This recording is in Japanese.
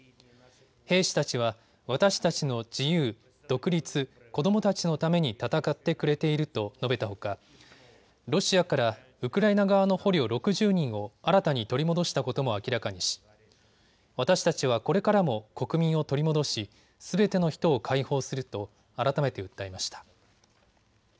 兵士たちは私たちの自由、独立、子どもたちのために戦ってくれていると述べたほかロシアからウクライナ側の捕虜６０人を新たに取り戻したことも明らかにし私たちはこれからも国民を取り戻し、すべての人を解放すると改めて訴えました。